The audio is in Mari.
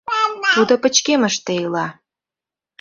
Тудо пычкемышыште ила.